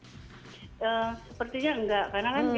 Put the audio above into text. karena kan kita bicara di indonesia itu adalah sangat bervariasi konteksnya